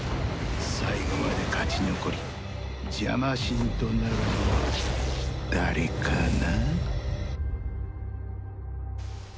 最後まで勝ち残りジャマ神となるのは誰かな？